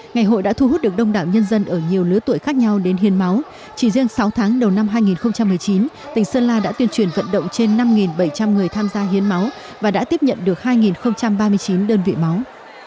ngày hội đã thu hút được đông đảo nhân dân ở nhiều lứa tuổi khác nhau đến hiến máu chỉ riêng sáu tháng đầu năm hai nghìn một mươi chín tỉnh sơn la đã tuyên truyền vận động trên năm bảy trăm linh người tham gia hiến máu và đã tiếp nhận được hai ba mươi chín đơn vị máu